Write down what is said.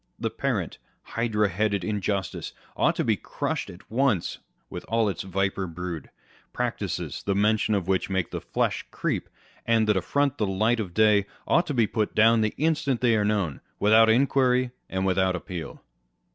The parent, hydra headed injustice ought to be crushed at once with all its viper brood. Practices, the mention of which makes the flesh creep, and that affront the light of day, ought to be put down the instant they are known, without inquiry and without appeal.